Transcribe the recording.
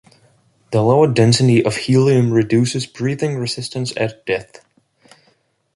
The lower density of helium reduces breathing resistance at depth.